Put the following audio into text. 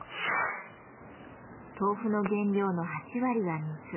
豆腐の原料の８割は水。